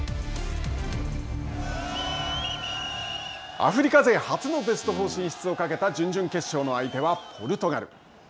アフリカ勢初のベスト４進出をかけた準々決勝の相手は、ポルトガル。